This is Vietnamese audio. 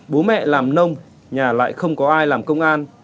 bố mẹ làm nông nhà lại không có ai làm công an